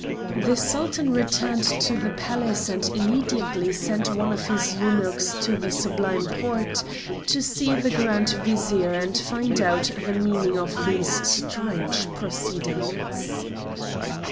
The Sultan returned to the Palace and immediately sent one of his eunuchs to the Sublime Porte to see the Grand Vizier and find out the meaning of these strange proceedings.